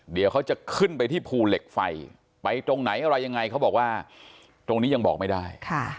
เดี๋ยวเขาจะขึ้นไปที่ภูเหล็กไฟไปตรงไหนอะไรยังไงเขาบอกว่าตรงนี้ยังบอกไม่ได้